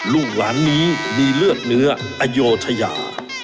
ลูกหลานนี้มีเลือดเนื้ออโยธยา